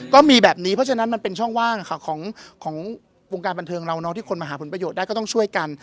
ก็มีแบบนี้เพราะฉะนั้นมันเป็นช่องว่างของวงการบันเทิงเราที่คนมาหาผลประโยชน์ได้ก็ต้องช่วยกัน